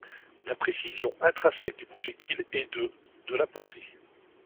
La précision intrinsèque du projectile est de de la portée.